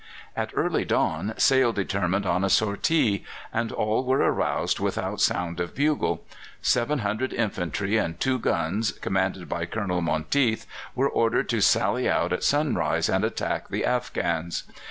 At early dawn Sale determined on a sortie, and all were aroused without sound of bugle. Seven hundred infantry and two guns, commanded by Colonel Monteath, were ordered to sally out at sunrise and attack the Afghans.